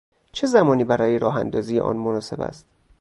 چه زمانی برای راه اندازی آن مناسب است؟